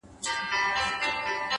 عاجزي د عزت ساتونکې ده!